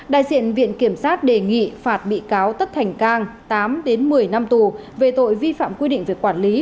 đại diện viện kiểm sát đề nghị phạt bị cáo tất thành cang tám đến một mươi năm tù về tội vi phạm quy định về quản lý